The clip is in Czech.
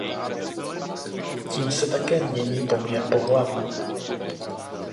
Tím se také mění poměr pohlaví.